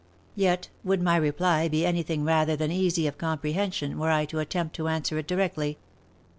Yet would my reply be any thing rather than easy of comprehension were I to attempt to answer it directly.